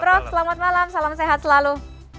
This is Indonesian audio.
prof selamat malam salam sehat selalu